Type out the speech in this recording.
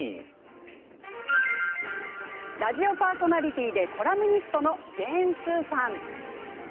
ラジオパーソナリティーでコラムニストのジェーン・スーさん。